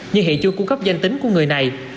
như hệ chung cung cấp danh tính của người này